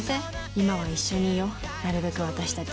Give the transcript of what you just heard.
今は一緒にいようなるべく私たち